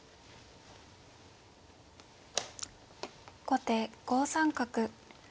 後手５三角。